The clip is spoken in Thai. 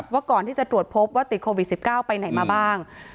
ว่าก่อนที่จะตรวจพบว่าติดโควิด๑๙ไปไหนมาบ้าง